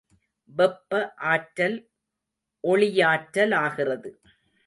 வெப்ப ஆற்றல் ஒளியாற்றலாகிறது.